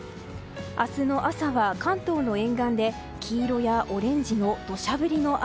明日の朝は、関東の沿岸で黄色やオレンジの土砂降りの雨。